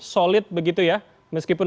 solid begitu ya meskipun